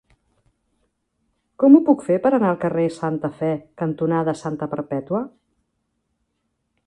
Com ho puc fer per anar al carrer Santa Fe cantonada Santa Perpètua?